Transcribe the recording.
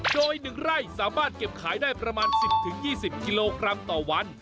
โดย๑ไร่สามารถเก็บขายได้ประมาณ๑๐๒๐กิโลกรัมต่อวัน